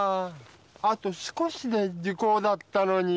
あと少しで時効だったのに。